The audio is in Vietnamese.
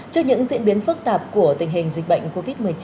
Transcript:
trước những diễn biến phức tạp của tình hình dịch bệnh covid một mươi chín